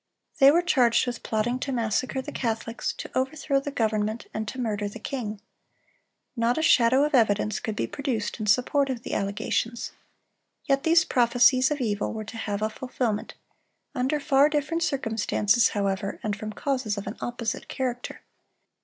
They were charged with plotting to massacre the Catholics, to overthrow the government, and to murder the king. Not a shadow of evidence could be produced in support of the allegations. Yet these prophecies of evil were to have a fulfilment; under far different circumstances, however, and from causes of an opposite character.